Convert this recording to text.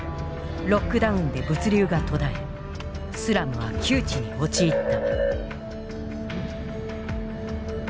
ロックダウンで物流が途絶えスラムは窮地に陥った。